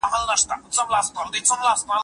تر یاغي میونده